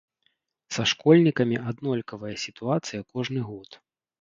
Са школьнікамі аднолькавая сітуацыя кожны год.